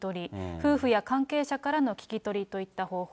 夫婦や関係者からの聞き取りといった方法。